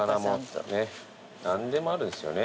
何でもあるんすよね